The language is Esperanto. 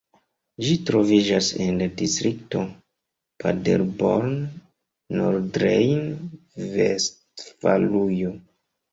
Ĝi troviĝas en la distrikto Paderborn, Nordrejn-Vestfalujo.